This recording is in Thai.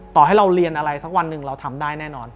ต่อให้เราเรียนอะไรสักวันหนึ่งเราทำได้แน่นอน